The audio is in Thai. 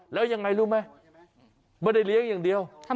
แล้วยังไงรู้ไหมไม่ได้เลี้ยงอย่างเดียว